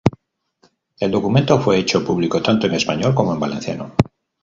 El documento fue hecho público tanto en español como en valenciano.